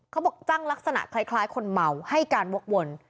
เขาบอกจ้างลักษณะคล้ายคนเมาให้การวกวน